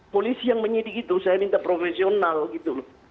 polisi yang menyidik itu saya minta profesional gitu loh